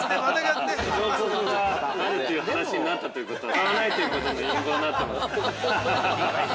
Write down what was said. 彫刻があるっていう話になったということは買わないということの隠語になってます。